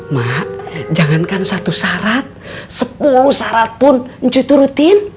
mak jangankan satu syarat sepuluh syarat pun cuti rutin